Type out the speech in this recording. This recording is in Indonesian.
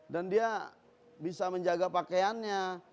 dan dia bisa menjaga pakaiannya